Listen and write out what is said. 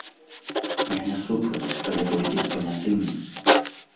Я не супраць, але толькі з панятымі.